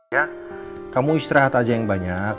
ya kamu istirahat aja yang banyak